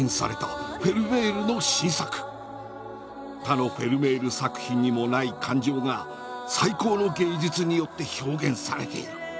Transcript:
「他のフェルメール作品にもない感情が『最高の芸術』によって表現されている」。